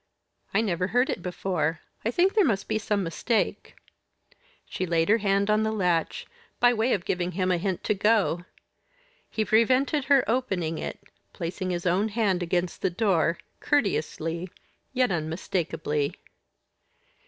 I never heard it before. I think there must be some mistake." She laid her hand on the latch by way of giving him a hint to go. He prevented her opening it, placing his own hand against the door; courteously, yet unmistakably.